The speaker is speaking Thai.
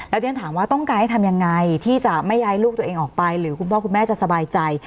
ที่ฉันถามว่าต้องการให้ทำยังไงที่จะไม่ย้ายลูกตัวเองออกไปหรือคุณพ่อคุณแม่จะสบายใจ